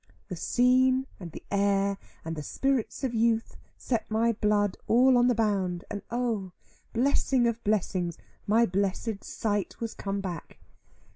The scene, and the air, and the spirits of youth set my blood all on the bound, and oh, blessing of blessings, my blessed sight was come back.